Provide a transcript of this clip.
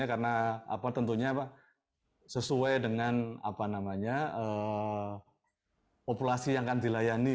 karena tentunya sesuai dengan populasi yang akan dilayani